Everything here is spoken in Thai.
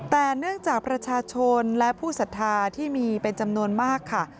แต่เนื่องจากว่าประชาชนและผู้สัจธาระมีเป็นจำนวนมากครับ